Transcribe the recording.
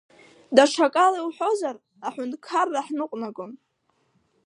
Даҽакала иуҳәозар, аҳәынҭқарра ҳныҟәнагон.